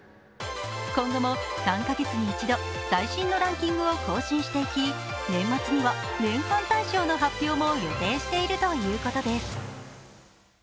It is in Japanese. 今後も３カ月に１度、最新のランキングを更新していき、年末には年間大賞の発表も予定しているとのことです。